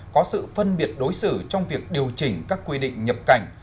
có sự phân biệt đối xử trong việc điều chỉnh các quy định nhập cảnh